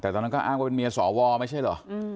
แต่ตอนนั้นก็อ้างว่าเป็นเมียสวไม่ใช่เหรอ